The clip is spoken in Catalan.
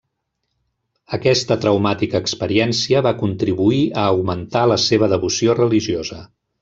Aquesta traumàtica experiència va contribuir a augmentar la seva devoció religiosa.